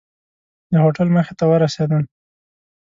د هوټل مخې ته ورسېدم.